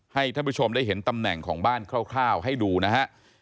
ให้ท่านผู้ชมได้เห็นตำแหน่งของบ้านคร่าวให้ดูนะฮะ